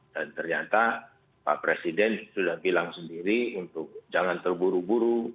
dan ternyata pak presiden sudah bilang sendiri untuk jangan terburu buru